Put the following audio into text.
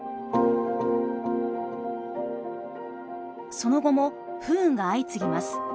その後も不運が相次ぎます。